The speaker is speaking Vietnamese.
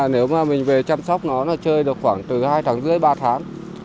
nếu mình về chăm sóc nó nó chơi được khoảng từ hai tháng rưỡi ba tháng